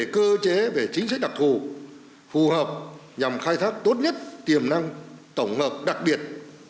cơ chế về chính sách đặc thù phù hợp nhằm khai thác tốt nhất tiềm năng tổng hợp đặc biệt